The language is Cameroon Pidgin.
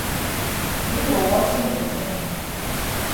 Yi go worsen de tin.